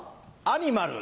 アニマル。